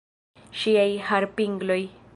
Ŝiaj harpingloj.